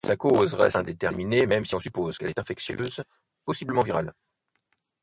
Sa cause reste indéterminée même si on suppose qu'elle est infectieuse, possiblement virale.